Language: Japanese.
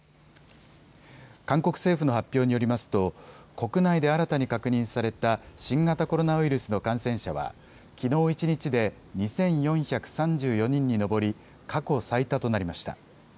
韓国政府の発表によりますと国内で新たに確認された新型コロナウイルスの感染者はきのう一日で２４３４人に上り、過去最多となりました。